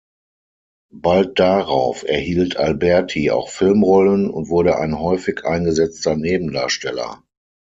Bald darauf erhielt Alberti auch Filmrollen und wurde ein häufig eingesetzter Nebendarsteller.